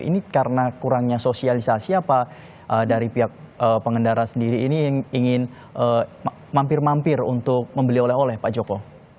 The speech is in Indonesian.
ini karena kurangnya sosialisasi apa dari pihak pengendara sendiri ini yang ingin mampir mampir untuk membeli oleh oleh pak joko